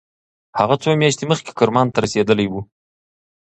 هغه څو میاشتې مخکې کرمان ته رسېدلی و.